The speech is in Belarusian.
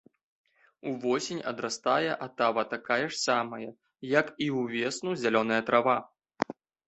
Увосень адрастае атава такая ж самая, як і ўвесну зялёная трава.